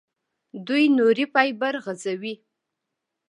دوی نوري فایبر غځوي.